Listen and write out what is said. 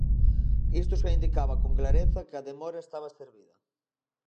Isto xa indicaba con clareza que a demora estaba servida.